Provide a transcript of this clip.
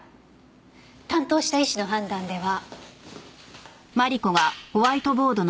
担当した医師の判断では。